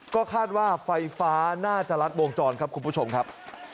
ก็คาดว่าไฟฟ้าน่าจะรัดวงจรครับคุณผู้ชมครับ